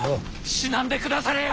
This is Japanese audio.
死なんでくだされや！